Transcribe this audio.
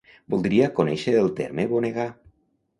Voldria conèixer el terme bonegar.